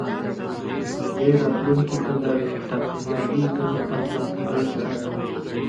• دې راتلونکي ته د تکاملي ګام پرته بل څه نه و.